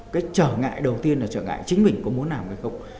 cái trở ngại đầu tiên là trở ngại chính mình có muốn làm hay không